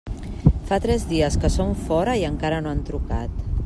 Fa tres dies que són fora i encara no han trucat.